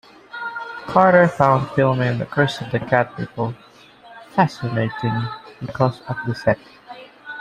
Carter found filming "The Curse of the Cat People" "fascinating... because of the set.